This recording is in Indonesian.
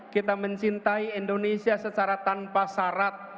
kita mencintai indonesia secara tanpa syarat